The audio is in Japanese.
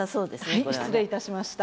はい失礼いたしました。